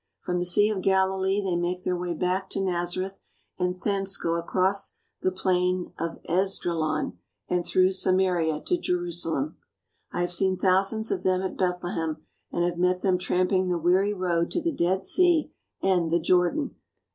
From the Sea of Galilee they make their way back to Nazareth, and thence go across the plain of Esdraelon and through Samaria to Jerusalem. I have seen thousands of them at Bethlehem and have met them tramping the weary road to the Dead Sea and the Jordan.